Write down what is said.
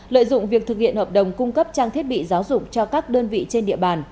lợi dụng việc thực hiện hợp đồng cung cấp trang thiết bị giáo dục cho các đơn vị trên địa bàn